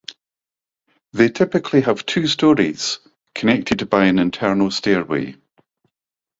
They typically have two storeys connected by an internal stairway.